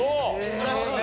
珍しい。